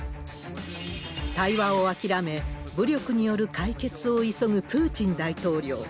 対話を諦め、武力による解決を急ぐプーチン大統領。